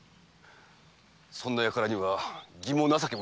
そんな輩には義も情けも通じませぬ。